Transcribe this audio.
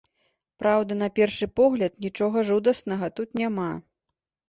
Праўда, на першы погляд, нічога жудаснага тут няма.